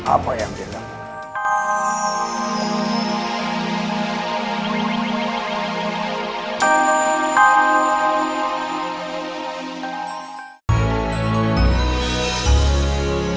apa yang dia lakukan